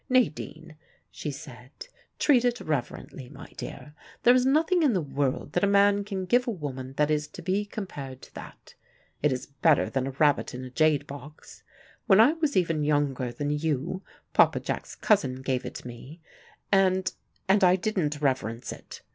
"Nadine," she said, "treat it reverently, my dear. There is nothing in the world that a man can give a woman that is to be compared to that. It is better than a rabbit in a jade box. When I was even younger than you, Papa Jack's cousin gave it me, and and I didn't reverence it.